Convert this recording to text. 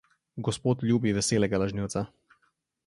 Gospod ljubi veselega lažnivca.